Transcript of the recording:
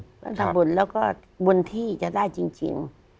ท่านทำบุญแล้วก็บนที่จะได้จริง